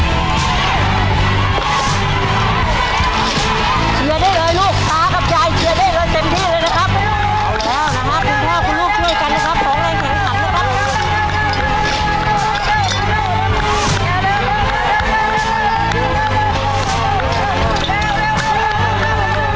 เชียร์ได้เลยลูกตากับใจเชียร์ได้เลยเต็มที่เลยนะครับ